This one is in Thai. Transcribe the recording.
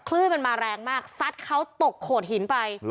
คลื่นมันมาแรงมากซัดเขาตกโขดหินไป